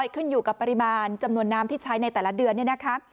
ขึ้นอยู่กับปริมาณจำนวนน้ำที่ใช้ในแต่ละเดือนเนี่ยนะคะ